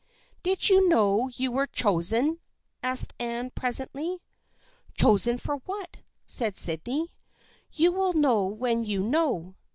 " Did you know you were chosen ?" asked Anne, presently. " Chosen for what? " said Sydney. " You will know when you know."